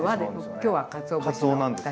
今日はかつお節のだし。